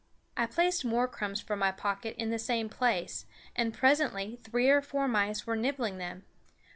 I placed more crumbs from my pocket in the same place, and presently three or four mice were nibbling them.